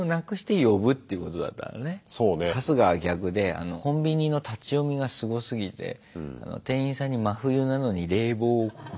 春日は逆でコンビニの立ち読みがすごすぎて店員さんに真冬なのに冷房をずっと当てられて店から。